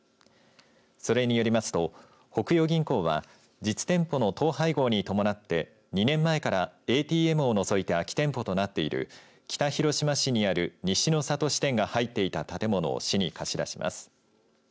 それによりますと、北洋銀行は実店舗の統廃合に伴って２年前からＡＴＭを除いて空き店舗となっている北広島市にある西の里支店が入っていた建物を市に貸し出します。